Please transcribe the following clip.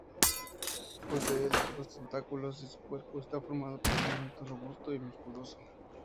Posee largos tentáculos y su cuerpo está formado por un manto robusto y musculoso.